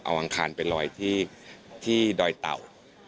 เอาอังคารไปลอยที่ดอยเต่า